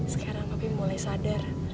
sekarang papi mulai sadar